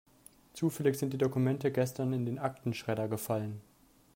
Zufällig sind die Dokumente gestern in den Aktenschredder gefallen.